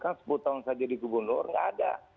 kan sebutan saja di gubernur nggak ada